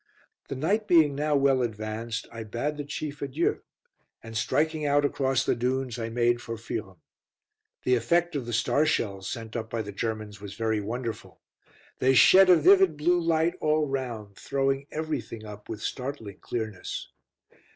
The night being now well advanced, I bade the Chief adieu, and striking out across the dunes I made for Furnes. The effect of the star shells sent up by the Germans was very wonderful. They shed a vivid blue light all round, throwing everything up with startling clearness.